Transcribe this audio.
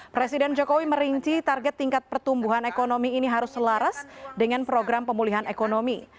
presiden jokowi merinci target tingkat pertumbuhan ekonomi ini harus selaras dengan program pemulihan ekonomi